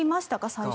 最初。